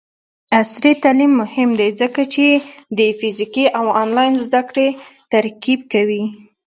عصري تعلیم مهم دی ځکه چې د فزیکي او آنلاین زدکړې ترکیب کوي.